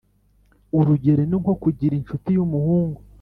urugero ni nko kugira inshuti y’umuhungu.